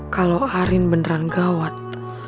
kalo arin beneran gawat